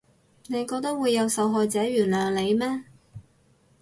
你覺得會有受害者原諒你咩？